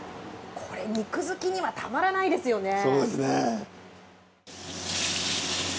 これ、肉好きにはたまらないですよね。